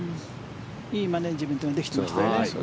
いいマネジメントができていましたね。